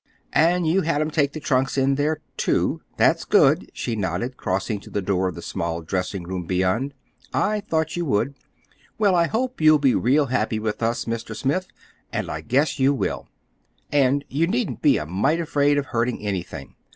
"And you had 'em take the trunks in there, too. That's good," she nodded, crossing to the door of the small dressing room beyond. "I thought you would. Well, I hope you'll be real happy with us, Mr. Smith, and I guess you will. And you needn't be a mite afraid of hurting anything.